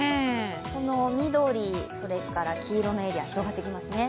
緑、黄色のエリアが広がってきますね。